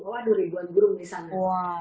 waduh ribuan burung disana